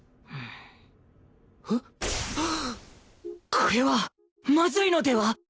これはまずいのでは？